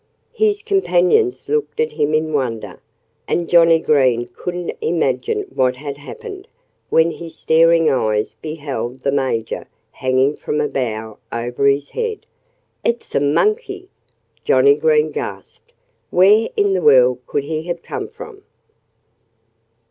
His companions looked at him in wonder. And Johnnie Green couldn't imagine what had happened, when his staring eyes beheld the Major hanging from a bough over his head. "It's a monkey!" Johnnie Green gasped. "Where in the world could he have come from?"